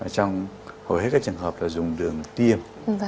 trong hầu hết các trường hợp là dùng đường tiêm